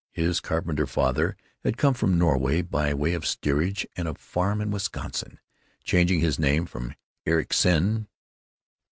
His carpenter father had come from Norway, by way of steerage and a farm in Wisconsin, changing his name from Ericsen.